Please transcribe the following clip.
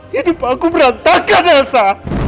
jadi pak aku merantakkan elsa